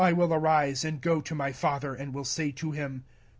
18 1 will arise and go to my fa ther, and will say to him.